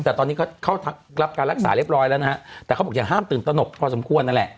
แต่ตอนนี้ก็เข้ารับการรักษาเรียบร้อยแล้วนะฮะแต่เขาบอกอย่าห้ามตื่นตนกพอสมควรนั่นแหละ